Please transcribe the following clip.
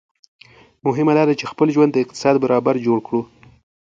مهمه داده چي خپل ژوند د اقتصاد برابر جوړ کړو